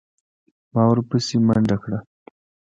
ما ورپسې منډه کړه.